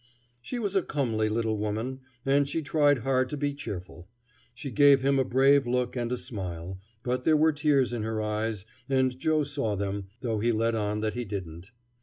She was a comely little woman, and she tried hard to be cheerful. She gave him a brave look and a smile, but there were tears in her eyes, and Joe saw them, though he let on that he didn't.